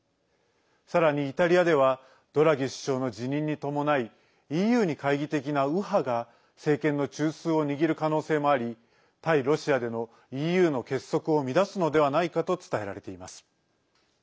さらにイタリアではドラギ首相の辞任に伴いＥＵに懐疑的な右派が政権の中枢を握る可能性もあり対ロシアでのＥＵの結束を乱すのではないかと伝えられています。